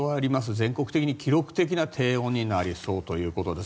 全国的に記録的な低温になりそうということです。